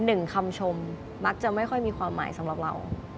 หนึ่งคำชมมักจะไม่ค่อยมีความหมายสำหรับเรา